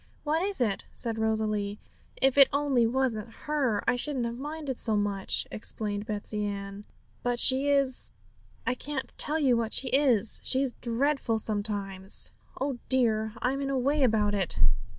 'What is it?' said Rosalie. 'If it only wasn't her, I shouldn't have minded so much,' explained Betsey Ann; 'but she is I can't tell you what she is; she's dreadful sometimes. Oh dear! I am in a way about it!'